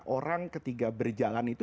orang ketiga berjalan itu